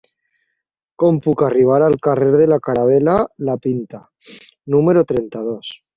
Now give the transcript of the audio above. Com puc arribar al carrer de la Caravel·la La Pinta número trenta-dos?